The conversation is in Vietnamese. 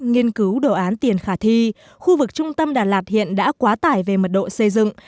nghiên cứu đồ án tiền khả thi khu vực trung tâm đà lạt hiện đã quá tải về mật độ xây dựng